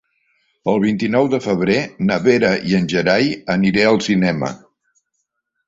El vint-i-nou de febrer na Vera i en Gerai aniré al cinema.